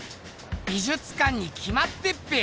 美術館にきまってっぺよ！